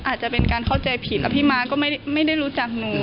อาจจะเป็นการเข้าใจผิดแล้วพี่ม้าก็ไม่ได้รู้จักหนู